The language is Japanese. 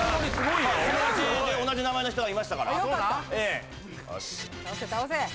友達で同じ名前の人がいましたから。